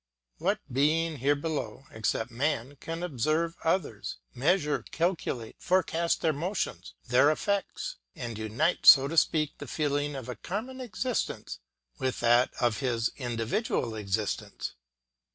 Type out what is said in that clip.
What being here below, except man, can observe others, measure, calculate, forecast their motions, their effects, and unite, so to speak, the feeling of a common existence with that of his individual existence?